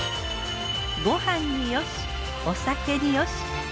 ご飯によしお酒によし。